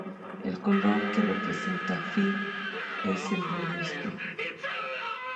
El color que representa a "feel" es el verde oscuro.